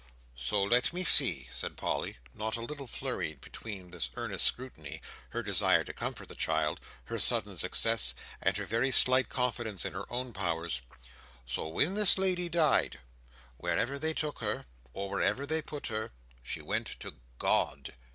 "So; let me see," said Polly, not a little flurried between this earnest scrutiny, her desire to comfort the child, her sudden success, and her very slight confidence in her own powers. "So, when this lady died, wherever they took her, or wherever they put her, she went to GOD!